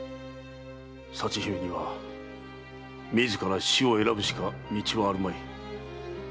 佐知姫には自ら死を選ぶしか道はあるまい。